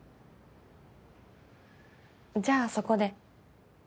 じゃあそこで。